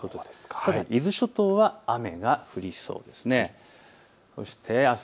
ただ伊豆諸島は雨が降りそうです。